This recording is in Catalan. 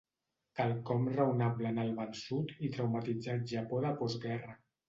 Quelcom raonable en el vençut i traumatitzat Japó de postguerra.